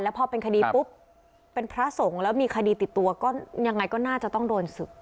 พอเป็นคดีปุ๊บเป็นพระสงฆ์แล้วมีคดีติดตัวก็ยังไงก็น่าจะต้องโดนศึก